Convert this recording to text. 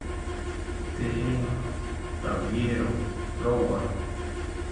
Tee rawiero rowa